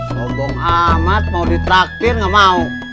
sobong amat mau ditraktir gak mau